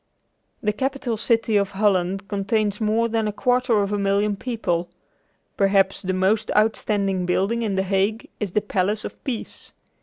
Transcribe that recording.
The capital city of Holland contains more than a quarter of a million people. Perhaps the most outstanding building in The Hague is the Palace of Peace.